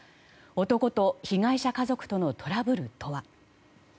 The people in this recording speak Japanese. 男と被害者家族とのトラブルとは。